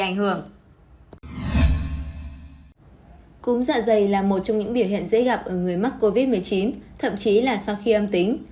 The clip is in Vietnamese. cúm dạ dày là một trong những biểu hiện dễ gặp ở người mắc covid một mươi chín thậm chí là sau khi âm tính